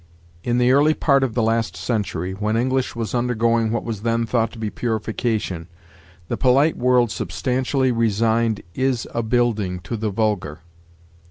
In the early part of the last century, when English was undergoing what was then thought to be purification, the polite world substantially resigned is a building to the vulgar.